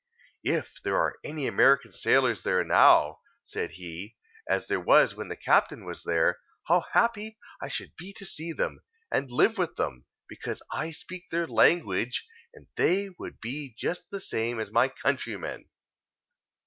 —"If there are any American sailors there now," said he, "as there was when the captain was there, how happy I should be to see them, and live with them, because I speak their language, and they would be just the same as my countrymen!